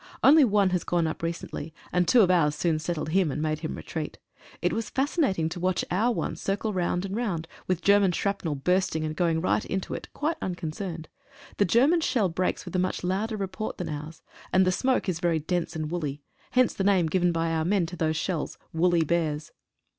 Only one has gone up recently, and two of ours soon settled him, and made him retreat. It was fascinating to watch our one circle round and round, with German shrapnel bursting and going right into it quite unconcerned. The German shell breaks with a much louder report than ours, and the smoke is very dense and woolly, hence the name given by our men to those shells — "Woolly Bears."